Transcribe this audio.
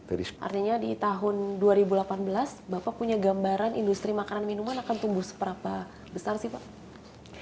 artinya di tahun dua ribu delapan belas bapak punya gambaran industri makanan minuman akan tumbuh seberapa besar sih pak